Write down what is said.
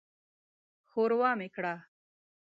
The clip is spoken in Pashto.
ښوروا مې کړه.